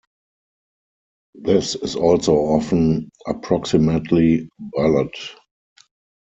This is also often approximately valid.